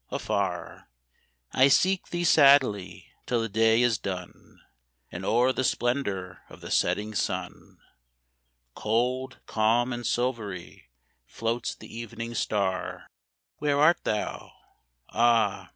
Afar I seek thee sadly, till the day is done, And o'er the splendour of the setting sun, Cold, calm, and silvery, floats the evening star; Where art thou? Ah!